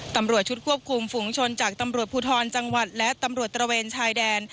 ตำรวจชุดควบคุมฝุงชนจากตำรวจภูทรจังหวัดและตำรวจตระเวนชายแดน